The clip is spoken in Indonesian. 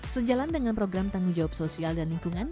sejalan dengan program tanggung jawab sosial dan lingkungan